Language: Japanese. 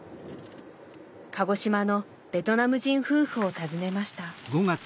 鹿児島のベトナム人夫婦を訪ねました。